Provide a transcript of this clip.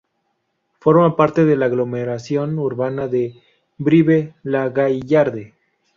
Forma parte de la aglomeración urbana de Brive-la-Gaillarde.